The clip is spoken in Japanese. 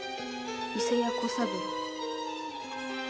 伊勢屋・小三郎」